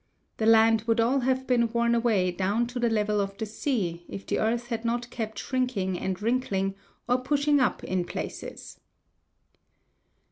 The land would all have been worn away down to the level of the sea if the earth had not kept shrinking and wrinkling, or pushing up in places.